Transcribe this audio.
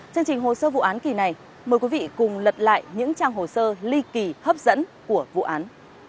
chương trình hồ sơ vụ án kỳ này mời quý vị cùng lật lại những trang hồ sơ ly kỳ hấp dẫn của vụ án